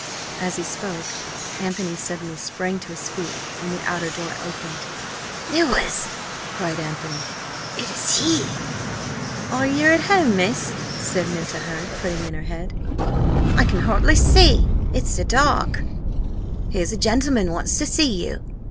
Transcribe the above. As he spoke, Anthony suddenly sprang to his feet, and the outer door opened. "Louis!" cried Anthony, "it is he!" "Are yer at home, miss?" said Minta Hurd, putting in her head; "I can hardly see, it's so dark. Here's a gentleman wants to see you."